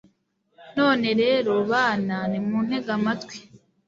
none rero, bana, nimuntege amatwi